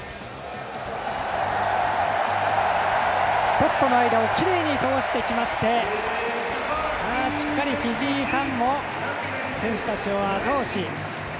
ポストの間をきれいに通してきましてしっかりフィジーファンも選手たちをあと押し。